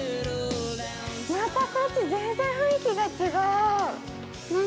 ◆またこっち、全然雰囲気が違う。